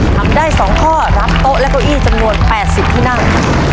ทำได้๒ข้อรับโต๊ะและเก้าอี้จำนวน๘๐ที่นั่ง